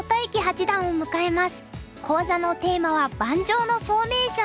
講座のテーマは「盤上のフォーメーション」。